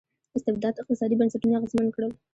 استبداد اقتصادي بنسټونه اغېزمن کړل.